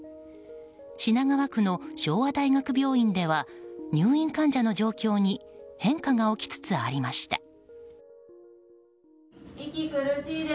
品川区の昭和大学病院では入院患者の状況に変化が起きつつありました。